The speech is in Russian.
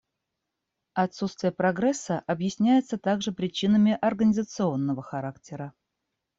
Отсутствие прогресса объясняется также причинами организационного характера.